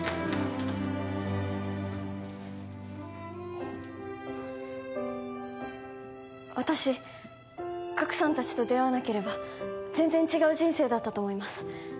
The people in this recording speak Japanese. あっ私ガクさん達と出会わなければ全然違う人生だったと思います